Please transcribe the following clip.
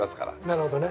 なるほどね。